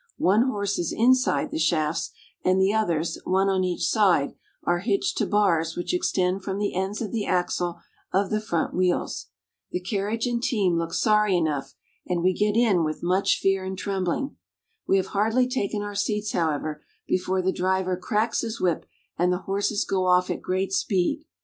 One horse is inside the shafts, and the others, one on each side, are hitched to bars which extend from the ends of the axle of the front wheels. The carriage and team look sorry enough, and we get in with much fear and trembling. We have hardly taken our seats, however, before the driver cracks his whip, and the horses go off at great speed.